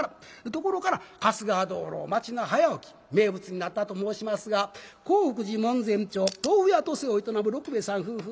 ところから「春日灯籠町の早起き」名物になったと申しますが興福寺門前町豆腐屋渡世を営む六兵衛さん夫婦。